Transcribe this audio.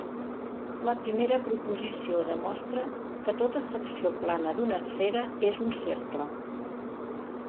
La primera proposició demostra que tota secció plana d’una esfera és un cercle.